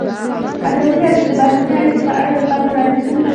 ازادي راډیو د بهرنۍ اړیکې په اړه د خلکو وړاندیزونه ترتیب کړي.